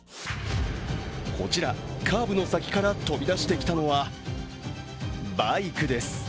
こちら、カーブの先から飛び出してきたのはバイクです。